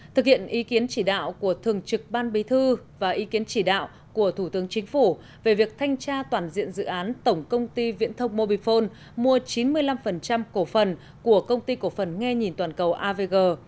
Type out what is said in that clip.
thực hiện ý kiến chỉ đạo của thường trực ban bí thư và ý kiến chỉ đạo của thủ tướng chính phủ về việc thanh tra toàn diện dự án tổng công ty viễn thông mobifone mua chín mươi năm cổ phần của công ty cổ phần nghe nhìn toàn cầu avg